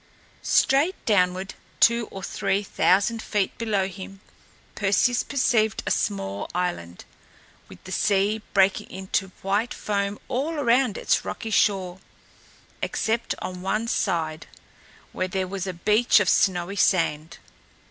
Straight downward, two or three thousand feet below him, Perseus perceived a small island, with the sea breaking into white foam all around its rocky shore, except on one side, where there was a beach of snowy sand.